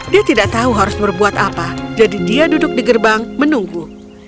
dia tidak tahu harus berbuat apa jadi dia duduk di gerbang menunggu